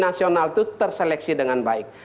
nasional itu terseleksi dengan baik